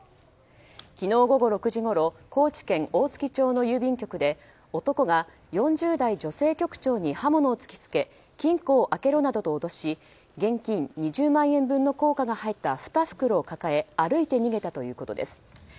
昨日午後６時ごろ高知県大月町の郵便局で男が４０代女性局長に刃物を突き付け金庫を開けろなどと脅し現金２０万円分の硬貨が入った２袋を抱え歩いて逃げたということです。